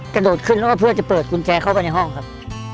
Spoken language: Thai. กระโดดขึ้นแล้วก็เพื่อจะเปิดกุญแจเข้าไปในห้องครับ